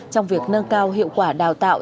trong việc nâng cao hiệu quả đào tạo